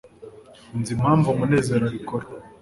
nzi impamvu munezero abikora